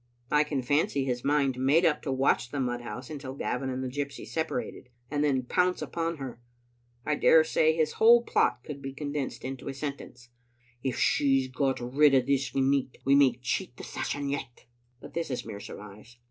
I can fancy his mind made up to watch the mudhouse until Gavin and the gypsy separated, and then pounce upon her. I daresay his whole plot could be condensed into a sen tence, " If she's got rid o' this nicht, we may cheat the Session yet." But this is mere surmise.